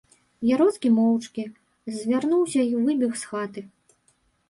Яроцкі моўчкі завярнуўся й выбег з хаты.